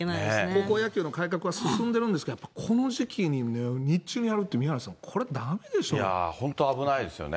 高校野球の改革は進んでるんですから、この時期に日中にやるって、本当、危ないですよね。